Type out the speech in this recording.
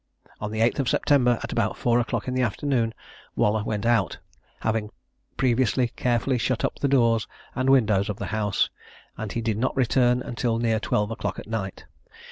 On the 8th of September, at about four o'clock in the afternoon, Waller went out, having previously carefully shut up the doors and windows of the house, and he did not return until near twelve o'clock at night.